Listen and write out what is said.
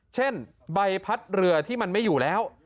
เช่นใบพัดเรือที่มันไม่อยู่แล้ว